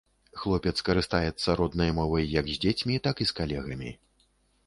Хлопец карыстаецца роднай мовай як з дзецьмі, так і з калегамі.